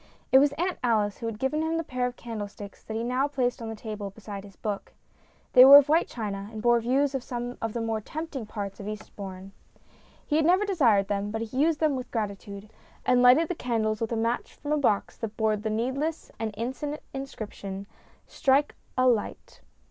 It was Aunt Alice who had given him the pair of candle sticks that he now placed on the table beside his book. They were of white china, and bore views of some of the more tempting parts of Eastbourne. He had never desired them, but he used them with gratitude, and lighted the candles with a match from a box that bore the needless and insensate inscription :" Strike a light."